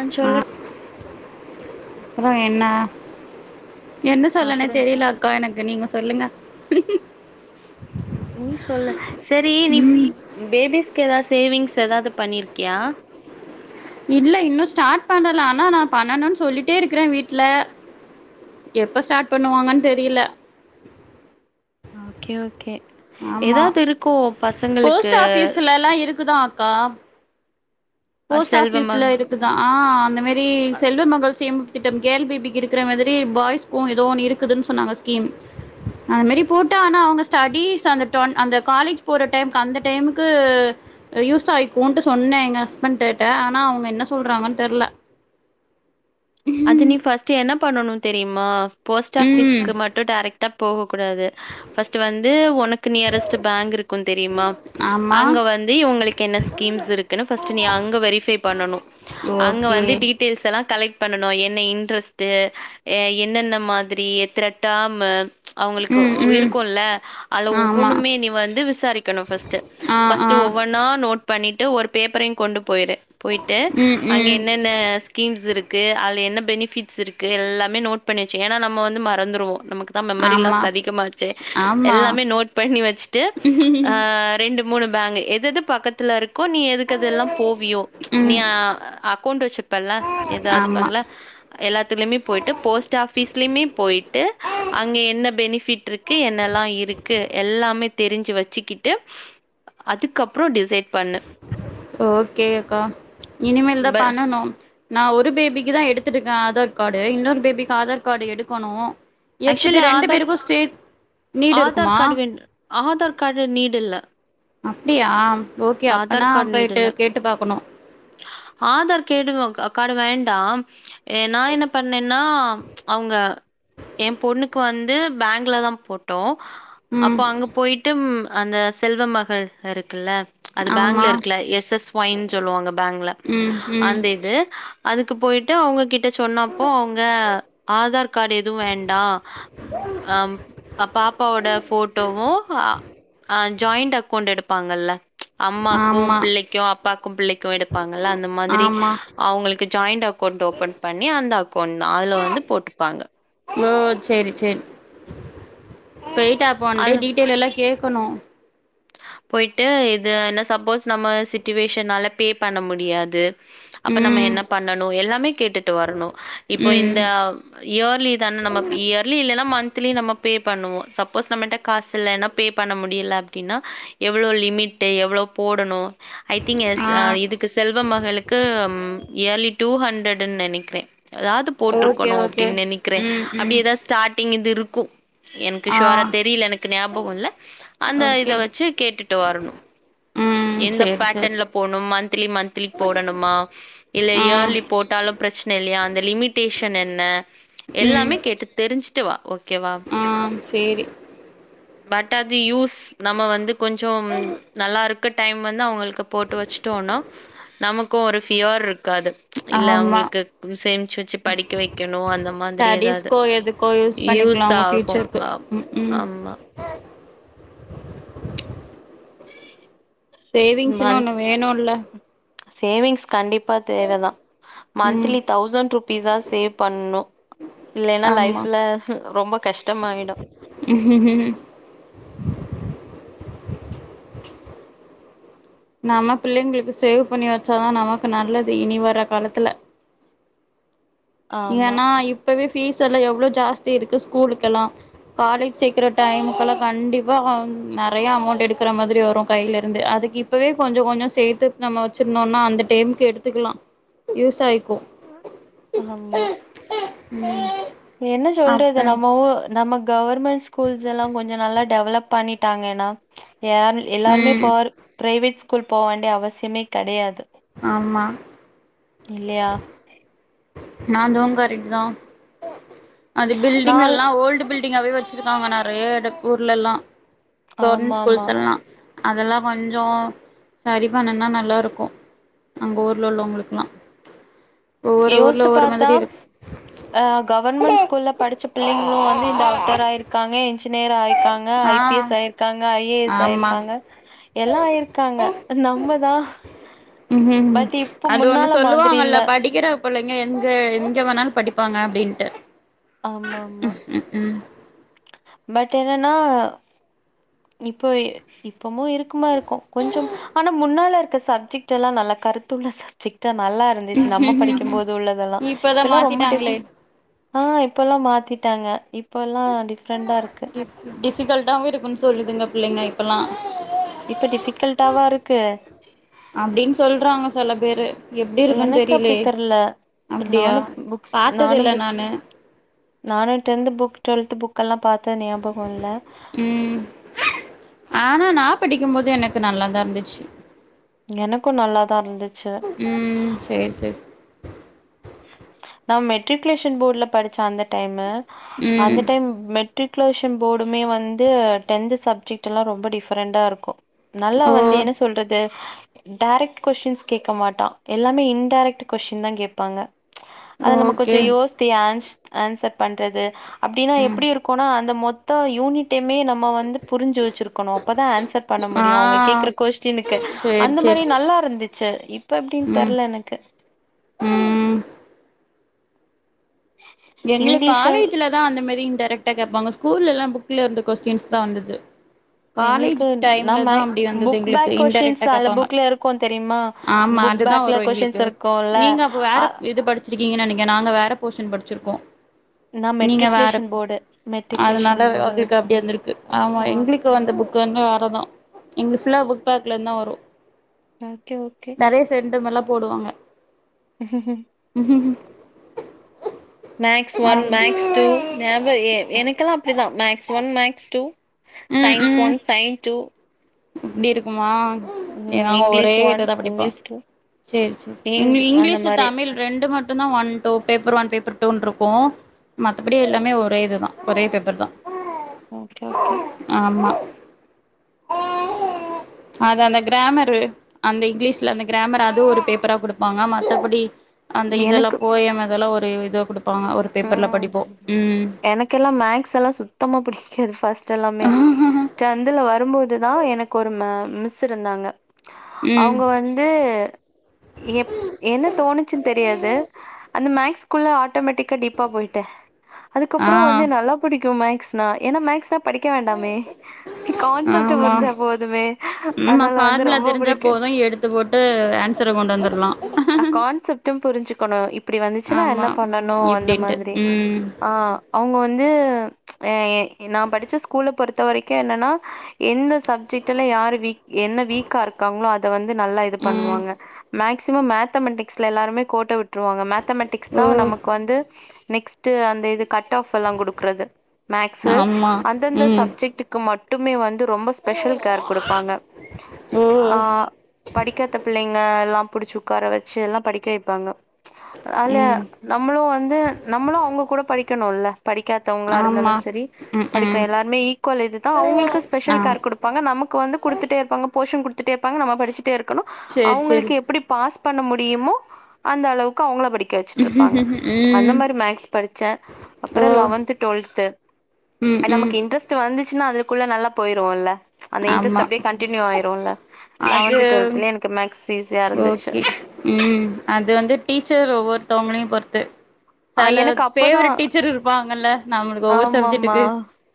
ஆ சொல்லு அப்புறோ என்ன என்ன சொல்லனே அப்புற தெரில அக்கா எனக்கு நீங்க சொல்லுங்க நீ சொல்லு சரி நீ ம் பேபிஸ்க்கு கெதாச் சேவிங்ஸ் ஏதாவது பண்ணிருக்கியா இல்ல இன்னு ஸ்டார்ட் பண்ணல ஆனா நா பண்ணணுன் சொல்லிட்டே இருக்குறே வீட்ல எப்ப ஸ்டார்ட் பண்ணுவாங்கன்னு தெரில ஆகே ஓகே ஆமா ஏதாவது இருக்கு பசங்களுக்கு போஸ்ட் ஆஃபீஸ்ல லெல்லா இருக்குதா க்கா அ போஸ்ட் செல்வ மக ஆஃபீஸ்ல இருக்குதா ஆ அந்த மாரி அ செல்வ மகள் சேமிப்பு திட்டம் கேர்ள் பேபிக்கு இருக்குற மாதிரி பாய்ஸ்க்கு ஏதோ ஒன்னு இருக்குதுன்னு சொன்னாங்க ஸ்கீம் அந் மாரி போட்டா ஆனா அவங்க ஸ்டடீஸ் அந்த டொன் அந்த காலேஜ் போற டைமுக்கு அந்த டைமுக்கு அ யூஸ் ஆயிக்குன்ட்டு சொன்னேங்க [unintelligible] ஆனா அவங்க என்ன சொல்றாங்கன்னு தெர்ல அது நீ ஃப்ர்ஸ்ட் என்ன பண்ணணு தெரியுமா போஸ்ட் ம் ஆஃபிஸுக்கு மட்டு டைரக்ட் ட போ கூடாது ஃபர்ஸ்ட் வந்து உனக்கு நியரஸ்ட்டு பேங்க் இருக்கு தெரியுமா ஆமா அங்க வந்து இவங்களுக்கு என்ன ஸ்கீம்ஸ் இருக்குனு ஃபர்ஸ்ட் நீ அங்க வெரிஃபை பண்ணனு அங்க ஓகே வந்து டீடெயில்ஸ் எல்லா கலெக்ட் பண்ணனு என்ன இன்ட்ரெஸ்ட் அ என்னென்ன மாதிரி எத்தன டெர்ம்மு அவங்களுக்கு ம் உ ம் இருக்குல அதுல ஆமா ஒவ்வொண்ணுமே நீ வந்து விசாரிக்கணு ஃபர்ஸ்ட் ஆ ஃபர்ஸ்ட் ஆ ஒவ்வொன்னா நோட் பண்ணிட்டு ஒரு பேப்பரையு கொண்டு போயிரு போயிட்டு ம் அங்க ம் என்னென்ன ஸ்கீம்ஸ் இருக் கு அதுல என்ன பெனிபிட்ஸ் இருக்கு எல்லாமே நோட் பண்ணி வச்ச ஏன்னா நம்ம வந்து மறந்துருவோ நமக் நாமக்கு தா மெமரி ஆமா லாஸ் அதிகமாச்சே ஆமா எல்லாமே நோட் பண்ணி வச்சுட்டு ஹ ரெண்ட் மூணு பேங்க எது எது பக்கத்துல இருக் கோ நீ எதுக்கு எதால்லா போவியோ நீ ம் அப் அக்கவுண்ட் வச்சுப்பல எதாவது ஆமா பேங்க்ல எல்லாத்துலயுமே போயிட்டு போஸ்ட் ஆபிஸ் [unintelligible] போய் ட்டு அங்க என்ன பெனிஃபிட் ஃபிட் இருக்கு என் என்னால இருக்கு எல்லாமே தெரிஞ்சு வச்சுக்கிட்டு அதுக்கப்புற டிசைடு ஓகே அக்கா இனிமெல்தா ப பண்ணனு நான் ஒரு பேபிக்கு தா எடுத்துற்க ஆதார் கார்டு இன்னொரு பேபிக்கு ஆதார் கார்டு எடுக்கணு எடுத்துட்டு ஆக்சுவலி ரெண்டு பேருக்கு ஆதார்க் சேத் நீடு ஆதார் இருக்குமா கார்டு வேணு ஆதார் கார்டு நீடு இல்ல அப்டியா ஓகே அப்பனா ஆதார் கார்டு போயிட்டு நீடுல கேட்டு பாக்கணு ஆதார் [unintelligible] கார்டு வேண்டா நா என்ன பண்ணேன் ன அவங்க என் பொண்ணுக்கு வந்து பேங்க்ல தா போட்டோ ம் அப்போ அங்க போயிட்டு ம் அந்த செல்வ மகள் இருக்குல்ல அது ஆமா பேங்க்ல இருக்குல எஸ் எஸ் ஒய்ன்னு சொல்லுவாங்க பேங்க்ல ம் ம் அந்த இது அதுக்கு போயிட்டு அவங்க கிட்ட சொன்னப்போ அவங்க ஆதார் கார்டு எது வேண்டா பாப்பாவோட போட்டோவு ஜாயிண்ட் அக்கௌண்ட் எடுப்பாங்கல்ல அம்மாக்கு ஆமா பிள்ளைக்கு அப்பாக்கு பிள்ளைக்கு எடுப்பாங்கல்ல அந்த மாதிரி ஆமா அவங்களுக்கு ஜாயிண்ட் அக்கௌண்ட் ஓபன் பண்ணி அந்த அக்கௌண்ட் தா அதுல வந்து போட்டுப்பாங்க ஓ சேரி சேரி போயிட்டு அப்ப ஒன்டே அதுல டீடெயில் எல்லா கேட்கணு போயிட்டு இது என்ன சப்போஸ் நம்ம சிச்சுவேஷன்னால ப்பே பண்ண முடியாது அப்ப நம்ம ம் என்ன பண்ணணு எல்லாமே கேட்டுட்டு வரணு இப்போ ம் இந்த இயர்லி தான நம்ம இயர்லி இல்லன்னா மந்த்லி நம்ம ப்பே பண்ணுவோ சப்போஸ் நம்மிட்ட காசு இல்லன்னா ப்பே பண்ண முடியல அப்டினா எவ்ளோ லிமிட்டு எவ்ளோ போடணு ஐ திங்க் எஸ் ஆ இதுக்கு செல்வ மகளுக்கு இயர்லி டூ ஹண் ரெட்டுனு நெனைக்கிற ஏதாது ஓகே போட்ருக்கணு ஓகே அப்டின்னு நெனைக்கிறே ம் ம் அப்டி ஏதாவ ஸ்டார்ட் டிங்கது இருக்கு எனக்கு ஆ ஷுவோரா தெரியல எனக்கு ஞாபக இல்ல அந்த ஓகே வச்சு கேட்டுட்டு வரணு ம் எந்த சேரி சேரி பேட்டன்ல போடனு மந்த்லி மந்த்லி போடணுமா இல்ல ஆ இயர்லி போட்டாலு ப்ரச்சன இல்லையா அந்த லிமிடேஷன் என்ன எல்லாமே கேட்டு தெரிஞ்சு கேட்டு வா ஓ ம் சேரி பட் அது யூஸ் நம்ம வந்து கொஞ்சோம் நல்லாருக் க்க டைம் வந்து அவங்களுக்கு போட்டு வச்சுட்டோனா நமக்கு ஒரு ஃபியர் இருக்காது இல்ல ஆமா அவங்களுக்கு சேமிச்சு வச்சு படிக்க வெக்கணு அந்த மாதிரி எதாது ஸ்டடீஸ்க்கோ எதுக்கோ பண்ணிக்கலா யூஸ் அவங்க ஆகு ஃபியூச்சருக்கு ஆஹ ம் ம் ஆமா சேவிங்ஸ்னு மந் ஒன்னு வேணுல சேவிங்ஸ் கண்டிப்பா தேவதா ம் மந்த்லி தௌசண்ட் ருபீஸா சேவ் பண்ணு இல்லைன்னா லைஃப்ல ரொம்ப கஷ்டமாயிடு உஹும் ம் நாம பிள்ளைங்களுக்கு சேவ் பண்ணி வச்சாதா நமக்கு நல்லது இனி வர காலத்துல ஆமா ஏன்னா இப்பமே ஃபீஷ் ஃப்யூச்சர்ல எவ்ள ஜாஸ்தி இருக்கு ஸ்கூலுக்கெல்லா காலேஜ் சேக்கற டைமுக்குள்ள கண்டிப்பா நெறைய அமௌண்ட் எடுக்கற மாதிரி வரு கைல இருந்து அதுக்கு இப்பவே கொஞ்சொ கொஞ்சொ சேத்து நம்ம வெச்சிருந்தோனா அந்த டேம்க்கு எடுத்துக்கலா யூஸாயி ஆமா ம் என்ன சொல்றது நம்ம ஊ நம்ம கவர்மெண்ட் ஸ்கூல்ஸ் எல்லா கொஞ்ச நல்லா டெவலப் பண்ணிட்டாங்கெனா யார் எல்லாருமே ம் பார் பிரைவேட் ஸ்கூல் போக வேண்டிய அவசியமே கெடையாது ஆமா இல்லயா அதுவு கரெக்ட்டுதா அது பில்டிங் நாள் எல்லா ஓல்டு பில் டிங்காவே வெச்சிருக்காங்க நறைய எட ஊர்லெல்லா ஆமா கவர்மெண்ட் ஆமா ஸ்கூல்ஸ் எல்லா அதெல்லா கொஞ்ச சரி பண்ணுனா நல்லாருக்கு அங்க ஊர்ல உள்ளவங்களுக்லா ஒவ்வொரு ஊர் சிச்சு பாத்தா ஆ கவர்மெண்ட் ஸ்கூல்ல படிச்ச பிள்ளைங்களு வந்து டாக்டராயிருக்காங்க இன்ஜினியர் ஆயிருக் காங்க ஆ ஐ பி எஸ் ஆயிருக்காங்க ஐ ஏ எஸ் ஆமா ஆயிருக்காங்க எல்லா ஆயிருக்காங்க நம்மதா ம் பட் இப்ப அது ஒண்ணு முன்னால மாதிரி சொல்லுவாங்கல்ல இல்ல படிக்கிற புள்ளைங்க எங்க எங்க வேணாலு படிப்பாங்க அப்படின்ட்டு ஆமா ஆமா பட் என்னென்னா இப்போ இப்பமு இருக்குமார் இருக்கு கொஞ்சம் ஆனா முன்னால இருக்க சப்ஜெக்ட் எல்லா நல்லா கருத்துல்ல சப்ஜெக்ட் நல்லா இருந்துச்சி நம்ப ம் படிக்கும்போது உள்ளதெல்லா இப்பதா இப்பலா ரொம்ப டிப் மாத்திட்டாங்களே ஆஹ் இப்பெல்லா மாத்திட்டாங்க இப்பெல்லா ஃப்ரெண்டா இருக்கே சிகல்ட்டாவு இருக்குன் சொல்லுதுங்க புள்ளைங்க இப்பெல்லா இப்ப டிஃபிகல்ட்டாவா இருக்கு அப்டின்னு சொல்றாங்க சில பேரு எப்டிருக்குன்னு எனக்கு அப்டி தெரிலேயே தெர்ல அப்டியா நானு புக்ஸ் பாத்ததில்ல புக்ஸ் நானு நானு டென்த் புக் டுவெல்த் புக்கெல்லா பாத் த்த ஞாபகல்ல ம் ஆனா நா படிக்கும் போது எனக்கு நல்லாத இருந்துச்சி எனக்கு நல்லாதா இருந்துச்சு ம் சேரி சேரி நா மெட்ரிகுலேஷன் போடுல படிச்சே அந்த டையமு அந்த ம் டைம் மெட் மெட்ரிகுலரேஷன் போடுமே வந்து டென்து சப்ஜெக்ட்டெல்லா ரொம்ப டிஃப்பரெண்டா இருக்கு நல்லா ஓ வந்து என்ன சொல்றது டைரெக்ட் கொஸின்ஸ் கேக்க மாட்டா எல்லாமே இன்டைரக்ட் கொஸ்டின் தா கேப்பாங்க அது நம்ம கொஞ்ச ஓகே யோசித்து ஆன்ஸ் ஆன்சர் பண்றது அப்டின்னா ம் எப்டி இருக்குனா அந்த மொத் த்தா யூனி ட்டுமே நம்ம வந்து புரிஞ்சு வச்சிருக்கணு அப்பதா ஆன்சர் பண்ண ஆ முடியு அவங்க கேக்குற கொஸ்டினுக்கு சேரி அந்த சேரி மாரி நல்லா இருந்து சரி இ இப்ப எப்டின் ம் தெர்ல எனக்கு ம் எங்களுக்கு இங்கிலீஷால் காலேஜ்ல தான் அந்த மாரி டைரக்டா கேக்பாங்க ஸ்கூலலாம் புக்ல இருந்து கொஸ்டின்ஸ் தான் வந்தது காலேஜ் எங்களுக்கு டைம்ல நான் மே தா அப்டி வந்தது புக் எங்களுக்கு பேக் கொஸின்ஸ் இன்டெரக்ட்டா அ கேப்பாங்க புக்ல இருக்கும் தெரியுமா ஆமா புக் அதுதா பேக்ல வரு கொஸின்ஸ் எங்களுக்கு இருக்கும்ல்ல நீங்க அப்ப வேற அ [unintelligible] நாங்க வேற போர்ஷன் படிச்சிரூக் எ நா நீங்க வேற மெட்ரிகுலேஷன் போர்டு அதனால மெட்ரிகுலேஷன் போர்டு உங்களுக்கு அப்டி வந்திருக்கு ஆமா எங்களுக்கு வந்த புக் வந்து வேறதான் எங்க புல்லா புக் பேக்ல இருந்தான் வரும் ஓகே ஓகே மாறிலா போடுவாங்க ம் ம் மேக்ஸ் ஒன் மேக்ஸ் டூ ஞாபக ஏ எனக்கெல்லாம் அப்டிதான் maths one maths two science ம் ஒன் சைன்ஸ் டூ இப்டி இருக்குமா ம் நாங்க இங்கிலீஷ் ஒரே ஒன் இத தான் படிப்போம் இங்கிலீஷ் டூ சரி சரி இங் அந்த இங்கிலீஷ் மாரி தமிழ் ரெண்டு மட் னா one two paper one paper டூனு இருக்கும் மத்தபடி எல்லாமே ஒரே இதுதான் ஒரே பேப்பர் தான் ஓகே ஓகே அது அந்த கிராமரு அந்த இங்கிலீஷல அந்த கிராமர் அதுவும் ஒரு பேப்பரா கொடுப்பாங்க மத்தபடி அந்த எனக்கு இதெல்லாம் போயம் அதெல்லாம் ஒரு [inaudible] பேப்பர்ல ம் படிப்போ ம் எனக்குலாம் மேக்ஸ்லாம் சுத்தமா பிடிக்காது ஃபஸ் ட்லாம் எல்லாமே சந்துல வரும்போதுதான் எனக்கு ஒரு மே மிஸ் இருந்தாங்க ம் அவுங்க வந்து எப் என்ன தோணுச்சுன்னு தெரியாது அந்த மேக்ஸ் குள்ள ஆட்டோமேட்டிக் கண்டிப்பா போயிட்டேன் ஆ அதுக்கப்புறோ வந்து நல்லா புடிக்கு மே க்ஸ்னா மேக்ஸ்னா படிக்க வேண்டாமே கான்செப்ட் ஆமா புரிஞ்சா போதுமே! ம்மா அதனால வந்து ஃபார்முலா ரொம்ப தெரிஞ்சா பிடிக்கும். போதும் எடுத்து போட்டு ஆன்ஸ் சர கொண்டு வந்து உம் கான்செப்டு புரிஞ்சு போன இப் அப்டி வந்துச்சுன்னா ஆமா என்ன பண்ணணோ அந்த இப்டின்ட்டு மாரி ம் ஆ அவுங்க வந்து எ நான் படிச்ச ஸ்கூல [unintelligible] த்த வரைக்கு என்னன்னா எந்த சப்ஜெக்ட்ல யார் வீக் என்ன வீக்கா இருக்காங்களோ அத வந்து ந்து நல்லா இது ம் பண்ணுவாங்க மேக்சிமம் மேத்தமெட்டிக்ஸ்ல எல்லாருமே கோட்ட விட்டுருவாங்க மேத் மேத்தமெட்டிக்ஸ் ஓ தா நமக்கு வந்து நெக்ஸ்ட்டு அந்த இது கட் ஆப் எல்லா கொடுக்கறது மேக்சு ஆமா அந்தந்த ம் சப்ஜெட்டுக்கு மட் மட்டுமே வந்து ரொம்ப ஸ்பெஷல் கேர் கொடுப்பாங்க ஓ ஆ படிக்கத பிள்ளைங் [unintelligible] புடிச்ச உக்கார வச்சு எல்லா படிக்க வைப்பாங்க ச் அல ம் நம்மளு வந் வந்து நம்மளு அவங்க கூட படிக்கணோல படிக்காதவங்களா இருந்தாலு ஆமா சரி ம் ம் படிக்க எல்லாருமே ஈக்குவல் இதுதா அவங்களுக்கு ஸ்பெஷல் ஆ கேர் கொடுப்பாங்க நமக்கு வந்து கொடுத்துட்டே இருப்பாங்க போஷன் கொடுத்துட்டே இருப்பாங்க நம படிச்சிட் டே இருக்கணு சேரி சேரி அவங்களுக்கு எப் பாஸ் பண்ண முடியுமோ அந்த அளவுக்கு அவங்கள படிக் கவச்சிட்டு இருப்பாங்க அந்த ம் மாரி மேக்ஸ் படிச்சே ஓ அப்புறோ லெவன்த்து டுவெல்து ம் எ ம் நமக்கு இன்ட்ரெஸ்ட் வந்துச் சுனா அதுக்குள்ள நல்லா போயிரொம்ல அந்த இன்டரஸ்ட் ஆமா அப்டியே கண்டியூ ஆயிரும்ல்ல அது லெவன்த் டுவெல்த்லே எனக்கு மேக் ஓகே ம் அது வந்து டீச்சர் ஒவ்வொருத்தவங்களையும் ஒர்த்து ஆஹ் சில எனக்கு அப்பதான் பேவரெட் டீச்சர் இருப்பாங்கல்ல நம்மளுக்கு ஒவ்வொரு ஆமாமா சப்ஜெட்டுக்கு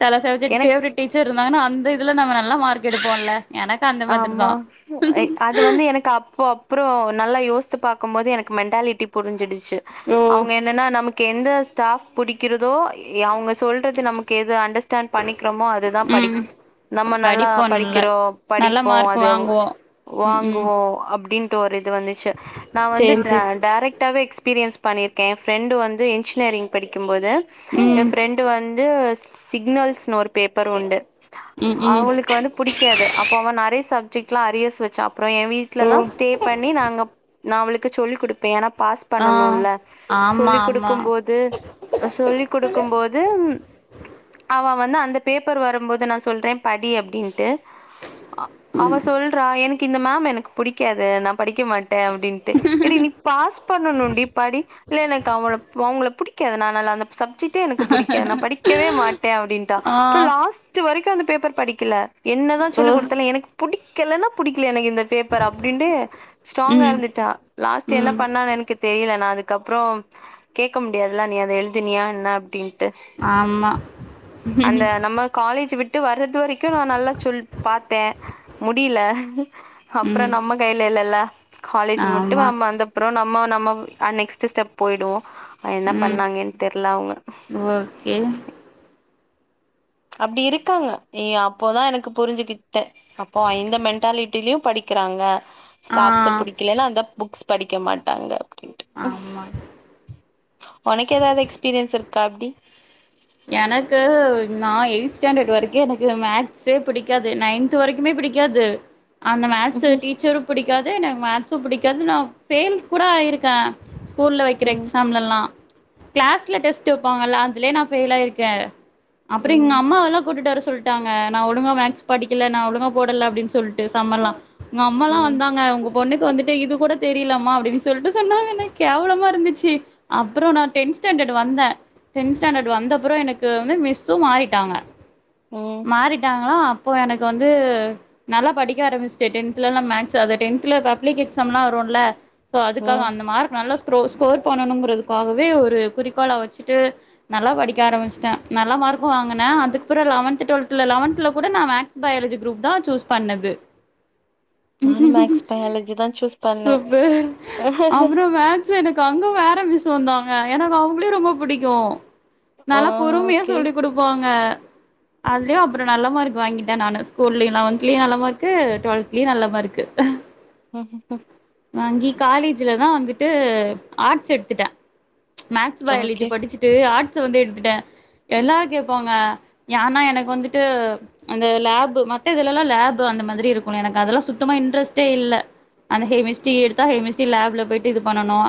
சில சப்ஜெக்ட் எனக்கு பேவரட் டீச்சர் இருந்தாங்கன்னா அந் இதுல நம்ம நல்ல மார்க் எடுப்போல ஆமா அது வந்து எனக்கு அப்போ அப் அப்புறம் நல்லா யோசித்து பார்கும்போது எனக்கு மென்டாலிட்டி புரிஞ்சடு ஓ அவங்க என்னன்னா நமக்கு எந்த ஸ்டாப் புடிக்கிறதோ அவங்க சொல்றது நமக்கு எது அண்டர்ஸ்டாண்ட் பண்ணிக்கிறோமோ அதுதான் படி ம் நம்ம நல்லா படிப்போ நல்ல படிக்கிறோம் நல்ல படிப்போம் மார்க் அதை வாங்குவோ ம் ம் வாங்குவோம் அப்படின்னுட்டு ஒருது வந்துச்சு நான் வந்து சேரி சேரி டைரக்டாவே எக்ஸ எஸ்பீரியன் பண்ணிருக்கே என்ஃப்ரெண்டு வந்து என்ஜினியரிங் படிக்கும்போது என் ம் ஃபிரெண்ட் வந்து வந்து சிக்னல்ஸ்ன்னு ஒரு பேப்பர் உண்டு ம் ம் அவளுக்கு வந்து புடிக்காது அ சப்ஜெக்ட்லாம் அரியஸ் வச்சாப்ப அப்புறம் என் ஓ வீட்டு்லதான் ஸ்டே பண்ணி நாங்க நான் அவளுக்கு சொல்லி கொடுப்பேன் ஏன்னா பாஸ் ஆ பண்ணனும்ல ஆமா சொல்லிக் ஆமா கொடுக்கும்போது சொல்லி கொடுக்கும்போது அவ வந்து அந்த பேப்பர் வரும்போது நான் சொல்றேன் படி அப்படின்ட்டு அவ சொல்றா எனக்கு இந்த மேம் எனக்கு புடிக்காது நம்ம படிக்க மாட்டேன் அப்படின்ட்டு ஏடி நீ பாஸ் பண்ணணும்டி படி இல்ல எனக்கு அவ அவங்கள பிடி எதுனால அந்த சப் சித்தி எனக்கு பிடிக்க நான் படிக்கவே மாட்டேன் அப்படின்டா ஆ அப்றம் லாஸ்ட் வரைக்கும் அந்த பேப்பர் படிக்கல என்னதான் ஓ சொல்லிகொடுத் புடிக்கலைன்னா புடிக்கல எனக்கு இந்த பேப்பர் அப்படின்னு ஸ்ட்ராங்கா பேப்பரா அப்படீன்ட்டு ஸ்ட்ராங்கா ம் இருந்துட்டா லாஸ்ட் என்ன ம் பண்ணான்னு எனக்கு தெரியல நான் அதுக்கப்புறம் கேக்க முடியாதுல்ல நீ அதை எழுதினியா என்ன அப்படின்னு ஆமா அந்த ம் நம்ம காலேஜ் விட்டு வர்றது வரைக்கும் நான் நல்லா சொல் பார்த்த தே முடியல அப்புறம் நம்ம கையில இல்லல்லலே காலேஜ் முட்டும் ஆமா மாமா அந்தப்புறம் நம்ம சும்மா நம்ம அன்னைக்கு நெக்ஸ்ட் ஸ்டெப் போய்டுவோம் என்ன ம் பண்ணாங்கன்னு தெரியல அவங்க ஓகே அப்படி இருக்காங்க எ அப்போதான் எனக்கு புரிஞ்சுகிட்டேன் அப்போ இந்த மென்டாலிட்டிலயும் படிக்கிறாங்க ஆ ஸ்டாஃப்ச புடிக்கல அந்த புக்ஸ் படிக்க மாட்டாங்க ஆமா உனக்கு எதாவது எக்ஸ்பீரியன்ஸ்இரு கபடி எனக்கு நான் எய்ட்ஸ் சிக்ஸ் ஸ்டாண்டர்ட் வரைக்கும் எனக்கு மேத்ஸே பிடிக்காது நைன்த் வரைக்குமே பிடிக்காது அந்த மேத்ஸு டீச்சரும் பிடிக்க என்னது எனக்கு மேத்ஸு பிடிக்காது நான் பெயில் கூட ஆயிருக்கேன் ஸ்கூலில் வைக்கிற ம் எக்ஸாம்லெல்லாம் கிளாஸ்ல டெஸ்ட் வைப்பாங்கல்ல அதுலயே ந பெயிலா இருக்கே அப்புறோ எங்க ம் அம்மாவெல்லா கூட்டிட்டு வரசொல் சொல்ட்டாங்க நா ஒழுங்க மேக்ஸ் படிக்கல நா ம் ஒழுங்க போடல அப்படின் சொ சொல்லிட்டு சம்மலா எங்க அம்மா எல்லா ம் வந்தாங்க உங்க பொண்ணுக்கு வந்துட்டு இது கூட தெரியலாமா அப்படின்னு சொல்லிட்டு சொன்னாங்க எனக் கேவலமா இருந்துச்சு அப்புறோ நா டென்த்ஸ்டேன்டர்டு வந்தே டென்த் ஸ்டெண்டர்ட் வந்தப்புறோ எனக்கு வந்து மிஸ்ஸு மாறிட்டாங்க ம் மாறிட்டாங்களா அப்போ எனக்கு வந்து நல்லா படிக்க ஆரம்பிச்சுட்டே டென்த்லல்லா மேக்ஸ் அதை டென்த்ல பப்ளிக் எக்ஸாம் எல்லா வரும்ல சோ அதுக்காக ம் அந்த மார்க் நல்ல த்ரோ ஸ்கோர் பண்ணணுங்குரதுக்காகவே ஒரு குறிக்கோளா வச்சுட்டு நல்லா படிக்க ஆரம்பிச்சட்டே நல்லா மார்க்கு வாங்குனே அதுக்குப்புறோ லெவன்து ட்டுவெல்த்ல லெவன்த்ல கூட நா மேக்ஸ் பயாலஜி குரூப் தா சூஸ் பண்ணது நானு மேக்ஸ் பயாலஜி தா ஜூஸ் பண்ணே சூப்பர் அப்றோ மேக்ஸ் எடுக்க அங்க வேற மிஸ்ஸு வந்தாங்க எனக்கு அவங்களேயு ரொம்ப புடிக்கு ஆ நல்லா பொறுமையா ஓகே சொல்லி் கொடுப்பாங்க அதுலயு அப்புறோ நல்ல மார்க் வாங்கிட்டே நானு ஸ்கூல்லயு லெவன்த்லயு நல்ல மார்கு ட்டுவெல்த்லேயு நல்ல மார்க்கு ஆ ஆ ஆ வாங்கி காலேஜ்ல தா வந்துட்டு ஆர்ட்ஸ் எடுத்துட்டே ம்ச் மேக்ஸ் பயாலஜி ஓகே படிச்சுட்டு ஆர்ட்ஸ் ஆர்ட்டுசு வந்து எடுத்துட்ட எல்லாரு கேப்பாங்க ஏன்னா எனக்கு வந்துட்டு அந்த லேபு மத்த இதுலல்லா லேபு அந்த மாதிரி இருக்குலா எனக்கு அதெல்லா சுத்தமா இன்ட்ரெஸ்டே இல்ல அந்த கெமிஸ்ட்ரி எடுத்தா கெமிஸ்ட்ரி லேப்ல போயிட்டு இது பண்ணணு